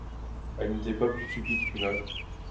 Elle n’était pas plus stupide qu’une autre.